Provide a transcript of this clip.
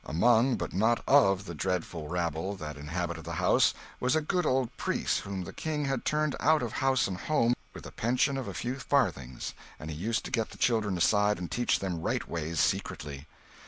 Among, but not of, the dreadful rabble that inhabited the house, was a good old priest whom the King had turned out of house and home with a pension of a few farthings, and he used to get the children aside and teach them right ways secretly.